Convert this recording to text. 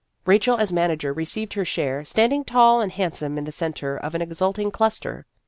Rachel as manager re ceived her share, standing tall and handsome in the centre of an exulting cluster.